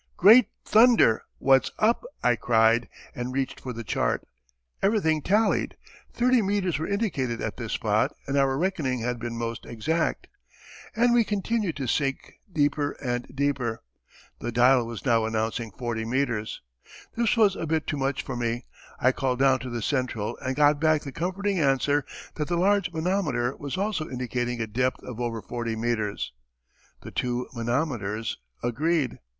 "Great thunder! what's up?" I cried, and reached for the chart. Everything tallied. Thirty meters were indicated at this spot and our reckoning had been most exact. And we continued to sink deeper and deeper. The dial was now announcing 40 meters. This was a bit too much for me. I called down to the central and got back the comforting answer that the large manometer was also indicating a depth of over forty meters! The two manometers agreed.